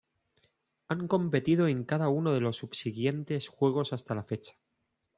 Han competido en cada uno de los subsiguientes juegos hasta la fecha.